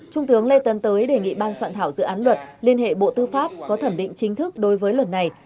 trung tướng lê tấn tới đề nghị ban soạn thảo dự án luật liên hệ bộ tư pháp có thẩm định chính thức đối với luật này